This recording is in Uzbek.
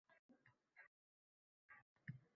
Madaniyat vazirligida “Vazir onlayn” ishga tushadi